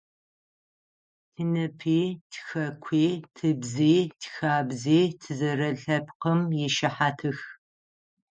Тиныпи, тихэкуи, тыбзи, тихабзи тызэрэлъэпкъым ишыхьатых.